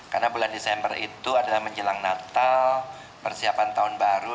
karena bulan desember itu adalah menjelang natal persiapan tahun baru